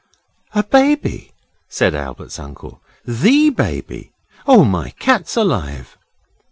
'A baby!' said Albert's uncle. 'THE Baby! Oh, my cat's alive!